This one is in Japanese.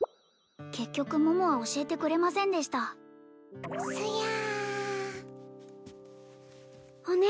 結局桃は教えてくれませんでしたすやお姉